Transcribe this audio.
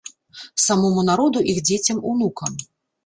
Самому народу, іх дзецям, унукам.